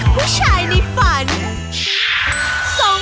ผู้ชายในฝัน